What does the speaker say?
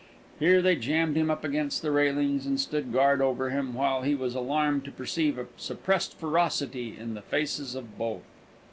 Here they jammed him up against the railings, and stood guard over him, while he was alarmed to perceive a suppressed ferocity in the faces of both.